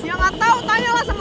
berisik banget sih